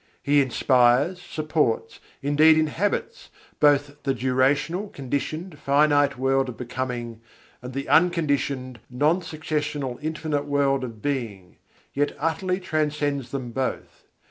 He inspires, supports, indeed inhabits, both the durational, conditioned, finite world of Becoming and the unconditioned, non successional, infinite world of Being; yet utterly transcends them both.